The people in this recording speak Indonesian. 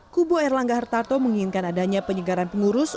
kubu erlangga hartarto menginginkan adanya penyegaran pengurus